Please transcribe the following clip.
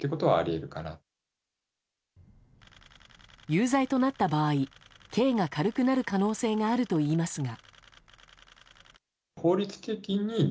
有罪となった場合刑が軽くなる可能性があるといいますが。